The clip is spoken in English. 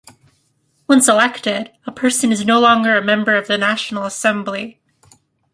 Once elected, a person is no longer a member of the national assembly.